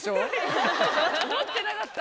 持ってなかった。